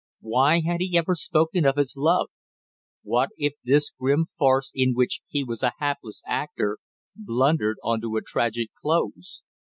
Why had he ever spoken of his love, what if this grim farce in which he was a hapless actor blundered on to a tragic close!